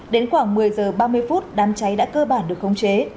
đến khoảng một mươi giờ ba mươi phút đám cháy đã cơ bản được khống chế